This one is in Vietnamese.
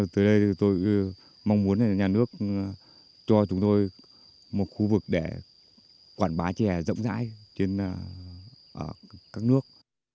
tới đây tôi mong muốn nhà nước cho chúng tôi một khu vực để quảng bá chè rộng rãi trên các nước